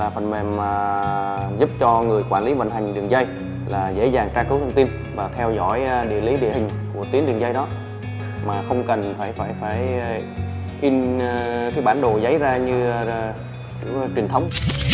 phần mềm giúp cho người quản lý vận hành đường dây là dễ dàng tra cứu thông tin và theo dõi địa lý địa hình của tuyến đường dây đó mà không cần phải in bản đồ giấy ra như truyền thống